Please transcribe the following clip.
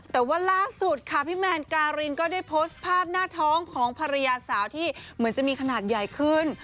แต่ว่าล่าสุดค่ะพี่แมนการินก็ได้โพสต์ภาพหน้าท้องของภรรยาสาวที่เหมือนจะมีขนาดใหญ่ขึ้น